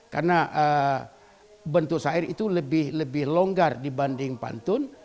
karena bentuk syair itu lebih longgar dibanding pantun